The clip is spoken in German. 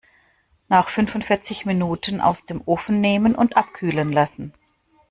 Nach fünfundvierzig Minuten aus dem Ofen nehmen und abkühlen lassen.